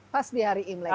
pas di hari imleknya